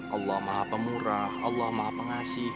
allah maha pemurah allah maha pengasih